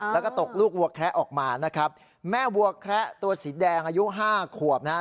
แล้วก็ตกลูกวัวแคระออกมานะครับแม่วัวแคระตัวสีแดงอายุห้าขวบนะฮะ